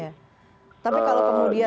tapi kalau kemudian